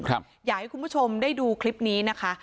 อยากให้คุณผู้ชมได้ดูคลิปนี้นะคะ